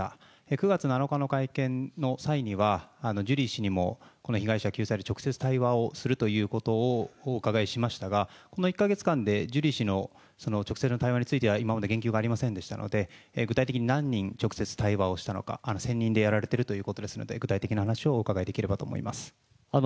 ９月７日の会見の際には、ジュリー氏にもこの被害者救済に直接対話をするということをお伺いしましたが、この１か月間でジュリー氏の直接の対話については、今まで言及がありませんでしたので、具体的に何人、直接対話をしたのか、専任でやられているということですので、具体的な話をお伺いできればと思います。